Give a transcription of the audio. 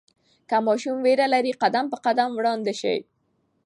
که ماشوم ویره لري، قدم په قدم وړاندې شئ.